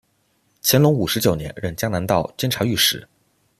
乾隆五十九年任江南道监察御史。